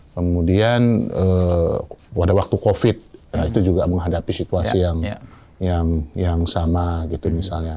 kemudian pada waktu covid itu juga menghadapi situasi yang sama gitu misalnya